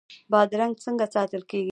بادرنګ څنګه ساتل کیږي؟